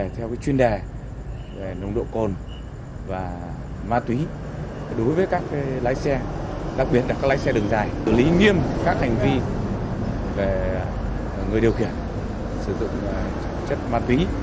công an tỉnh hải dương cũng tổ chức phân luồng hướng dẫn giao thông đồng thời tăng cường công tác tuần tra kiểm soát xử lý nghiêm các vi phạm về nồng độ cồn chở quá tải trọng hay chạy quá tốc độ